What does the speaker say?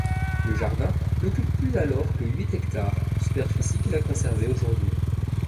Le Jardin n'occupe plus alors que huit hectares, superficie qu'il a conservée aujourd'hui.